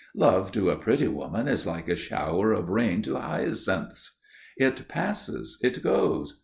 Love to a pretty woman is like a shower of rain to hyacinths. It passes, it goes.